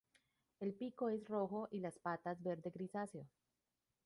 El pico es rojo y las patas verde grisáceo.